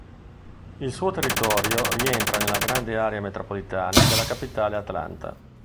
Il suo territorio rientra nella grande area metropolitana della capitale Atlanta.